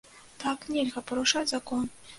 Так, нельга парушаць закон.